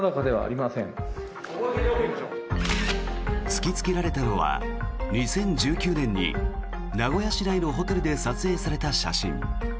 突きつけられたのは２０１９年に名古屋市内のホテルで撮影された写真。